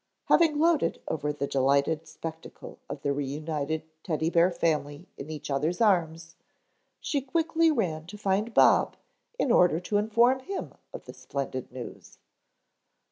Having gloated over the delighted spectacle of the reunited Teddy bear family in each other's arms, she quickly ran to find Bob in order to inform him of the splendid news.